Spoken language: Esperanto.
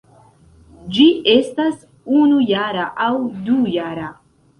Ĝi estas unujara aŭ dujara.